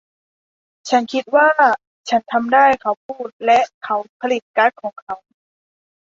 ฉันคิดว่าฉันทำได้เขาพูดและเขาผลิตการ์ดของเขา